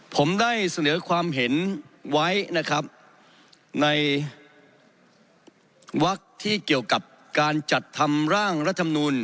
ผมได้เสนอความเห็นไว้นะครับในวักที่เกี่ยวกับการจัดทำร่างรัฐมนูล